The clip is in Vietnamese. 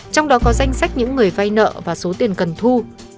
trong đó có danh sách những người vay nợ và số tiền cần thu